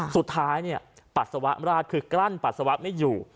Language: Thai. สุดท้ายปัสสาวะราดคือกลั้นปัสสาวะไม่อยู่